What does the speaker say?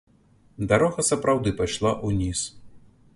Дарога сапраўды пайшла ўніз.